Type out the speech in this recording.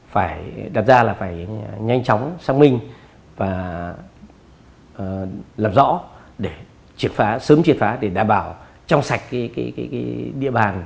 phải đặt ra là phải nhanh chóng xác minh và làm rõ để chiệt phá sớm chiệt phá để đảm bảo trong sạch cái địa bàn